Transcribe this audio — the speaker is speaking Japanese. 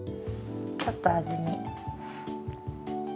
ちょっと味見。